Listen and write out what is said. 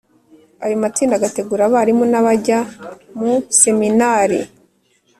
ayo matsinda agategura abarimu n'abajya mu seminari.